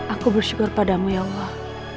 aku bersyukur padamu ya allah